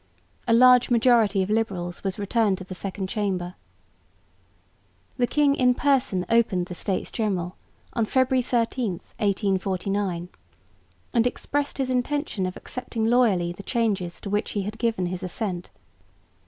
A large majority of liberals was returned to the Second Chamber. The king in person opened the States General on February 13, 1849, and expressed his intention of accepting loyally the changes to which he had given his assent.